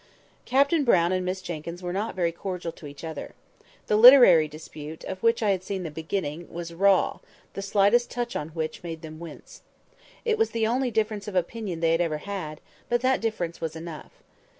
Captain Brown and Miss Jenkyns were not very cordial to each other. The literary dispute, of which I had seen the beginning, was a "raw," the slightest touch on which made them wince. It was the only difference of opinion they had ever had; but that difference was enough.